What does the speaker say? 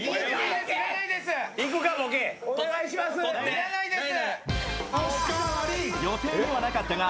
要らないです！